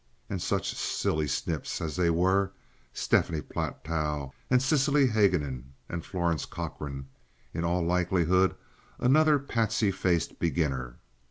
And such silly snips as they were—Stephanie Platow! and Cecily Haguenin! and Florence Cochrane, in all likelihood another pasty faced beginner!